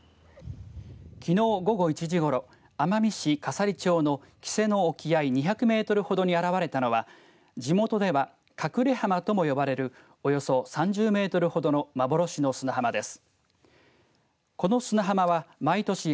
きのう午後１時ごろ奄美市笠利町の喜瀬の沖合１００メートルほどに現れたのは地元ではかくれ浜と呼ばれるおよそ３０メートルほどの幻の砂浜です。